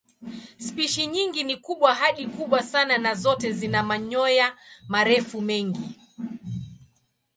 Spishi nyingi ni kubwa hadi kubwa sana na zote zina manyoya marefu mengi.